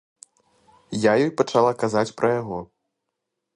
Я ёй пачала казаць пра яго.